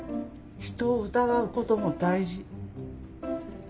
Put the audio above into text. ひとを疑うことも大事。